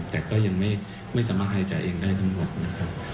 แต่ก็ยังไม่สามารถหายใจเองได้ทั้งหมดนะครับ